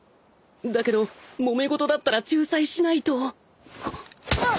だけどもめ事だったら仲裁しないとうっ。